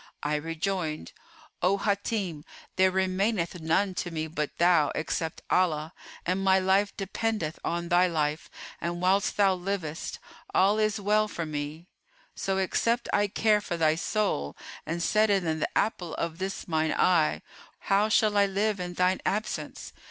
I rejoined, 'O Hátim,[FN#423] there remaineth none to me but thou, except Allah; and my life dependeth on thy life and whilst thou livest, all is well for me; so, except I care for thy soul and set it in the apple of this mine eye, how shall I live in thine absence?